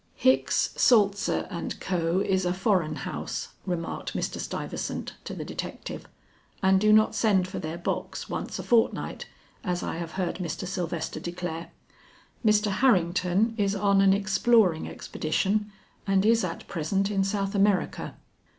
"Hicks, Saltzer and Co., is a foreign house," remarked Mr. Stuyvesant to the detective, "and do not send for their box once a fortnight, as I have heard Mr. Sylvester declare. Mr. Harrington is on an exploring expedition and is at present in South America."